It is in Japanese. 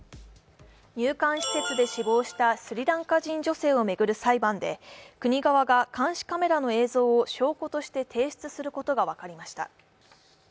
入管施設で死亡したスリランカ人女性を巡る裁判で国側が、監視カメラの映像を証拠として提出することが分かりました。